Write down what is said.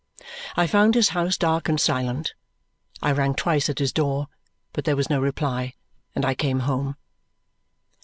I found his house dark and silent. I rang twice at his door, but there was no reply, and I came home.